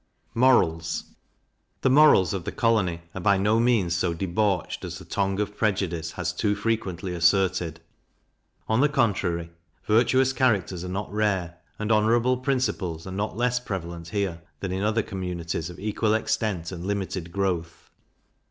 Morals. The morals of the colony are by no means so debauched as the tongue of prejudice has too frequently asserted; on the contrary, virtuous characters are not rare, and honourable principles are not less prevalent here than in other communities of equal extent and limited growth.